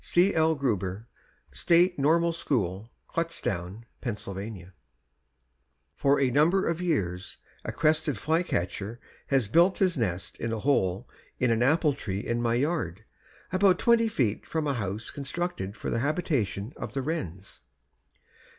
C. L. GRUBER, State Normal School, Kutztown, Pa. For a number of years a crested flycatcher has built his nest in a hole in an apple tree in my yard, about twenty feet from a house constructed for the habitation of the wrens.